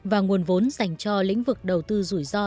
và nguồn vốn dành cho lĩnh vực đầu tư rủi ro